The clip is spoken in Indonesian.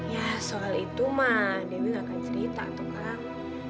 ya soal itu mah dia nggak akan cerita tuh kang